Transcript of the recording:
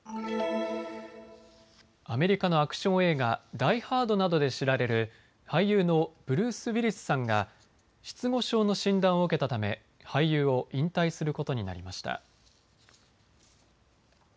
アメリカのアクション映画、ダイ・ハードなどで知られる俳優のブルース・ウィリスさんが失語症の診断を受けたため俳優を引退することになりました。